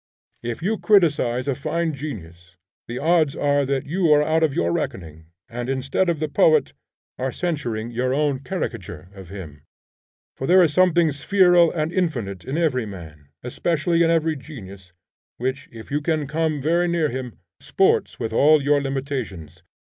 If you criticise a fine genius, the odds are that you are out of your reckoning, and instead of the poet, are censuring your own caricature of him. For there is somewhat spheral and infinite in every man, especially in every genius, which, if you can come very near him, sports with all your limitations.